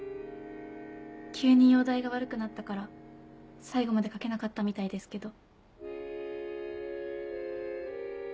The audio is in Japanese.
急に容体が悪くなったから最後まで書けなかったみたいですけど。